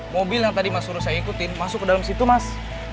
mobil yang tadi mas huru saya ikutin masuk ke dalam situ mas